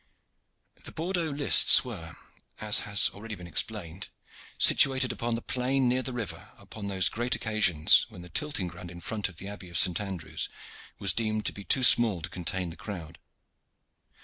The Bordeaux lists were, as has already been explained, situated upon the plain near the river upon those great occasions when the tilting ground in front of the Abbey of St. Andrew's was deemed to be too small to contain the crowd.